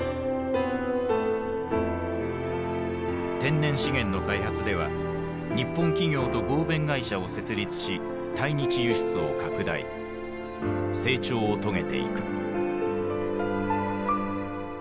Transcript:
天然資源の開発では日本企業と合弁会社を設立し対日輸出を拡大成長を遂げていく。